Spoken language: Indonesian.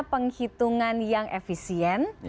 penghitungan yang efisien